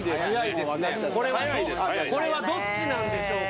これはどっちなんでしょうか？